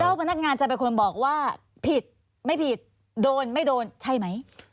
พนักงานจะเป็นคนบอกว่าผิดไม่ผิดโดนไม่โดนใช่ไหม